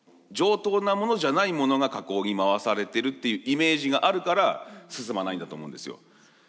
上等なものじゃないものが加工に回されてるっていうイメージがあるから進まないんだと思うんですよ。